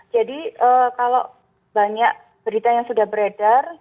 jadi kalau banyak berita yang sudah beredar